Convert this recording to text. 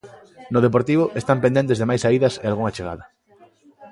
No Deportivo están pendentes de máis saídas e algunha chegada.